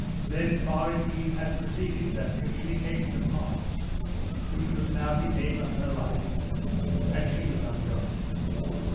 Then, far indeed had proceeded that communication of hearts, which was now the aim of her life and she was undone!